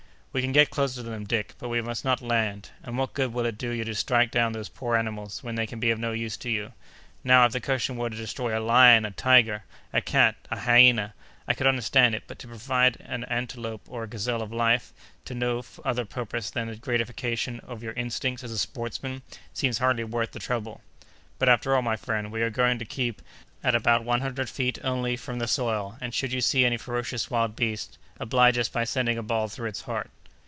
"We can get closer to them, Dick, but we must not land. And what good will it do you to strike down those poor animals when they can be of no use to you? Now, if the question were to destroy a lion, a tiger, a cat, a hyena, I could understand it; but to deprive an antelope or a gazelle of life, to no other purpose than the gratification of your instincts as a sportsman, seems hardly worth the trouble. But, after all, my friend, we are going to keep at about one hundred feet only from the soil, and, should you see any ferocious wild beast, oblige us by sending a ball through its heart!"